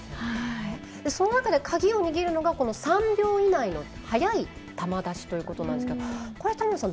その中で鍵を握るのが３秒以内の早い球出しということですがこれは田村さん